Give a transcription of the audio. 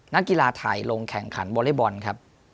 นักกีฬาไทยลงแข่งขันวอเล็กบอลครับ